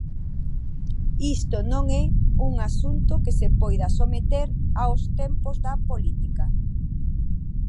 Isto non é un asunto que se poida someter aos tempos da política.